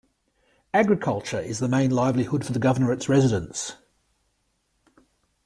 Agriculture is the main livelihood for the governorate's residents.